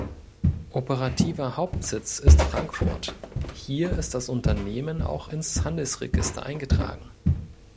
Operativer Hauptsitz ist Frankfurt, hier ist das Unternehmen auch ins Handelsregister eingetragen.